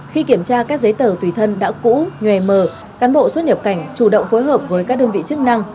khi kiểm tra các giấy tờ tùy thân đã cũ nhòe mờ cán bộ xuất nhập cảnh chủ động phối hợp với các đơn vị chức năng